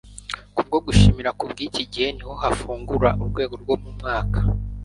kubwo gushimira kubwiki gihe niho hafungura urwego rwo mu mwuka